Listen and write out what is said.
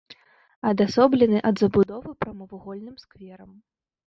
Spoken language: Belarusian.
Адасоблены ад забудовы прамавугольным скверам.